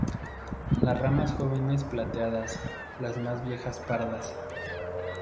Las ramas jóvenes plateadas, las más viejas pardas.